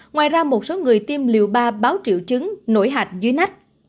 ngoài ra một số người tiêm liều ba báo triệu chứng nổi hạch dưới nách